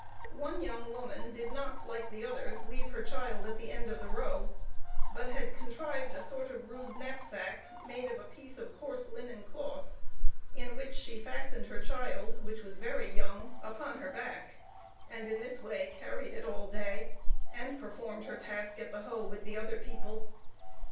One young woman did not, like the others, leave her child at the end of the row, but had contrived a sort of rude knapsack, made of a piece of coarse linen cloth, in which she fastened her child, which was very young, upon her back; and in this way carried it all day, and performed her task at the hoe with the other people.